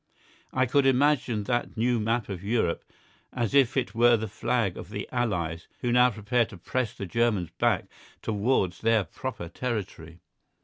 I could imagine that new map of Europe as if it were the flag of the allies who now prepare to press the Germans back towards their proper territory.